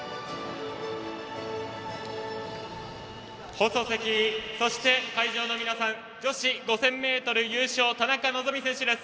放送席、そして会場の皆さん女子５０００ｍ優勝田中希実選手です。